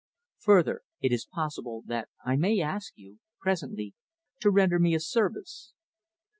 Further it is possible that I may ask you presently to render me a service."